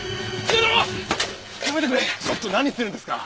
ちょっと何するんですか！